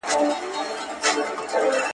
• غويی د وښو په زور چلېږي، هل د مټ په زور.